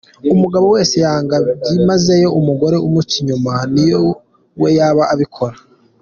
Umugabo wese yanga byimazeyo, umugore umuca inyuma niyo we yaba abikora.